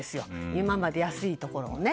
今まで、安いところを。